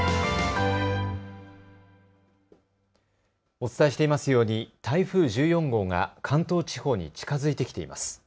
お伝えしていますように台風１４号が関東地方に近づいてきています。